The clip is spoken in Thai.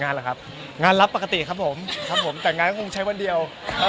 เหรอครับงานรับปกติครับผมครับผมแต่งงานก็คงใช้วันเดียว